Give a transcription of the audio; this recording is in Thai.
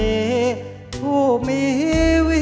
เพลงพร้อมร้องได้ให้ล้าน